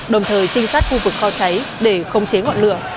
đồng thời trinh sát khu vực kho cháy để khống chế ngọn lửa